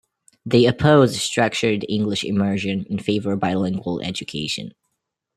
They oppose Structured English Immersion and favor bilingual education.